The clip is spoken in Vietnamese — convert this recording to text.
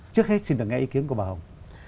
trước hết xin được nghe ý kiến của bà hồng